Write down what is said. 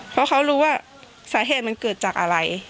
เพราะเขารู้ว่าสาเหตุมันเกิดจากอะไร